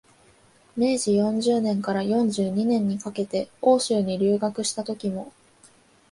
明治四十年から四十二年にかけて欧州に留学したときも、